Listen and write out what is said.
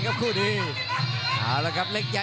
กำปั้นขวาสายวัดระยะไปเรื่อย